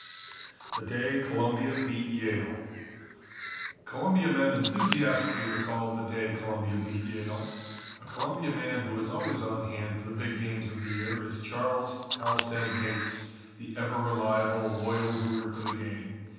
THE DAY COLUMBIA BEAT YALE Columbia men enthusiastically recall the day Columbia beat Yale. A Columbia man who is always on hand for the big games of the year is Charles Halstead Mapes, the ever reliable, loyal rooter for the game.